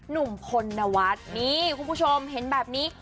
หนุ่มพลนวัฒน์นี่คุณผู้ชมเห็นแบบนี้